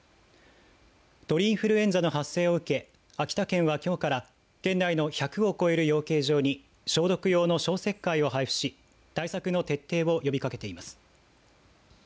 鳥インフルエンザの発生を受け秋田県は、今日から県内の１００を超える養鶏場に消毒用の消石灰を配布し対策の徹底を呼びかけています。